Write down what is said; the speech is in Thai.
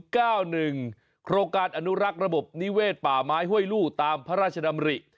โครงการอนุรักษ์ระบบนิเวศป่าไม้ห้วยลู่ตามพระราชดำริ